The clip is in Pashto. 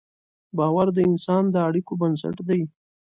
باور د انسان د اړیکو بنسټ دی.